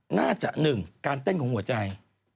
น่าจะ๑การเต้นของหัวใจ